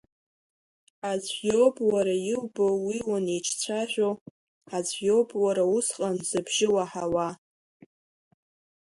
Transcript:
Аӡә иоуп уара иубо уи уаниҿцәажәо, аӡә иоуп уара усҟан зыбжьы уаҳауа…